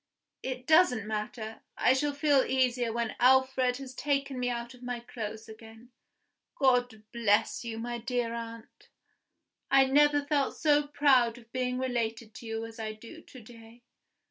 It doesn't matter; I shall feel easier when Alfred has taken me out of my clothes again. God bless you, my dear aunt! I never felt so proud of being related to you as I do to day.